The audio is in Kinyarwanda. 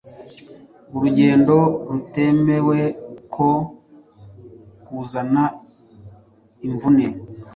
urugendo rutemewe ko kuzana imvune